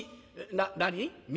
「な何？